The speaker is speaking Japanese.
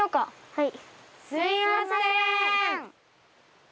はい。